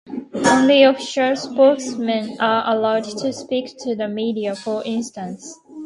Only official spokesmen are allowed to speak to the media, for instance.